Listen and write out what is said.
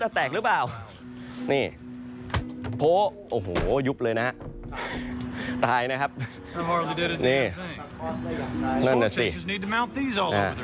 แตกหรือเปล่านี่โพะโอ้โหยุบเลยนะฮะตายนะครับนี่นั่นน่ะสิ